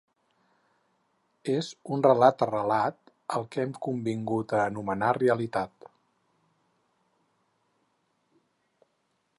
És un relat arrelat al que hem convingut a anomenar realitat.